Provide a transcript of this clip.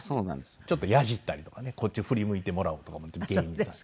ちょっとヤジったりとかねこっち振り向いてもらおうとか思って芸人さんに。